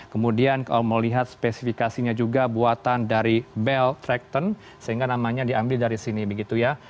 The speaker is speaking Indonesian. kemudian kalau melihat spesifikasinya juga buatan dari belt tracton sehingga namanya diambil dari sini begitu ya